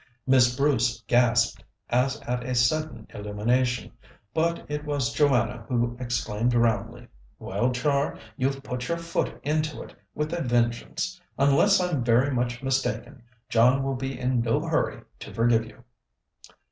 Miss Bruce gasped, as at a sudden illumination. But it was Joanna who exclaimed roundly: "Well, Char, you've put your foot into it with a vengeance! Unless I'm very much mistaken, John will be in no hurry to forgive you."